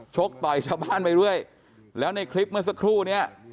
ชกต่อยชะบ้านไปด้วยแล้วในคลิปเมื่อสักครู่นี้